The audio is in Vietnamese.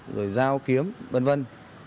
rồi giao kiếm vân vân